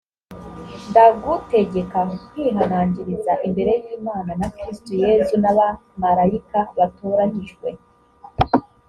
ndagutegeka nkwihanangiriza imbere y imana na kristo yesu n abamarayika batoranyijwe